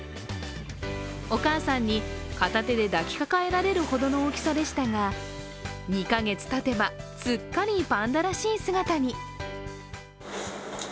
お母さんに片手で抱きかかえられるほどの大きさでしたが、２か月たてば、すっかりパンダらしい姿に。